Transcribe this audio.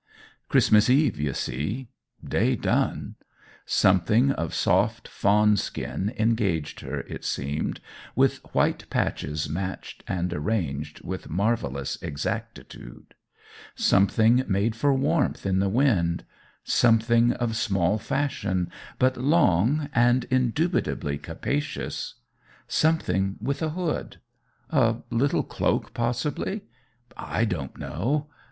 Christmas Eve, you see: Day done. Something of soft fawn skin engaged her, it seemed, with white patches matched and arranged with marvellous exactitude: something made for warmth in the wind something of small fashion, but long and indubitably capacious something with a hood. A little cloak, possibly: I don't know.